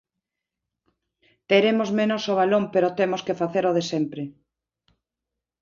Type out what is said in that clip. Teremos menos o balón pero temos que facer o de sempre.